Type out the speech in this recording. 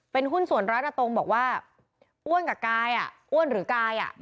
เป็นหุ้นส่วนร้านอาตงบอกว่าอ้วนกับกายอ้วนหรือกาย